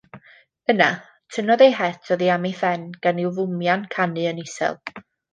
Yna, tynnodd ei het oddi am ei phen, gan ryw fwmian canu yn isel.